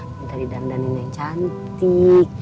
minta didandanin yang cantik